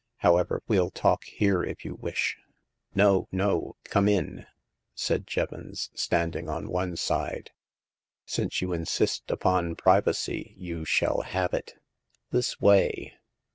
" However, well talk here if you wish." " No, no ; come in," said Jevons, standing on one side. " Since you insist upon privacy, you shall have it. This way."